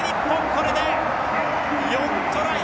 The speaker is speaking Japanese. これで４トライ。